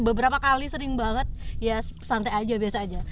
beberapa kali sering banget ya santai aja biasa aja